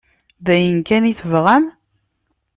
D aya kan i tebɣam?